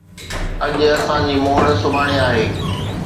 اڄ اسان جي موڙ سڀاڻي آهي